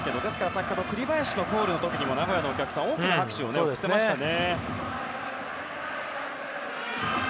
先ほど栗林のコールの時にも名古屋のお客さん大きな拍手をしていましたね。